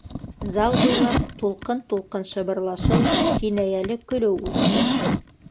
Зал буйлап тулҡын-тулҡын шыбырлашыу, кинәйәле көлөү үтте.